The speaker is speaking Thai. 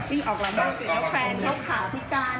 วิ่งออกหลังบ้านแล้วแฟนเขาข่าวพี่จาน